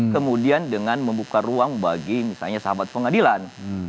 kemudian dengan membuka ruang bagi misalnya sahabat pengadilan